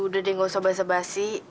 udah deh gak usah basa basi